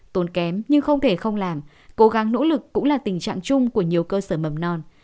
tốn kém nhưng không thể không làm cố gắng nỗ lực cũng là tình trạng chung của nhiều cơ sở mầm non